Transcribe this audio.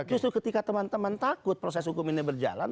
justru ketika teman teman takut proses hukum ini berjalan